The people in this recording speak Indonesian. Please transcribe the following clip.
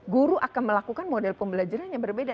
guru akan melakukan model pembelajaran yang berbeda